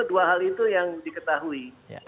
dua hal itu yang diketahui